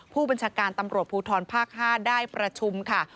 ผู้บัญชาการตำรวจภูทรภาค๕ได้ประชุมค่ะ